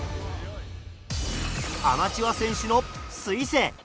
アマチュア選手の彗星。